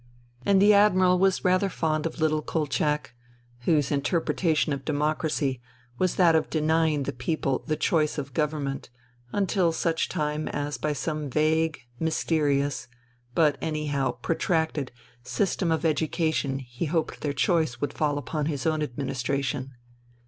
And the Admiral was rather fond of little Kolchak, whose interpretation of democracy was that of denying the people the choice of government until such time as by some vague, mysterious, but anyhow pro tracted, system of education he hoped their choice would fall upon his own administration.